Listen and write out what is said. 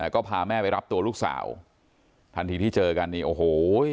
ก็พาแม่ไปรับตัวลูกสาวทันทีที่เจอกันนี่โอ้โห